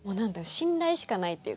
信頼しかないっていうか。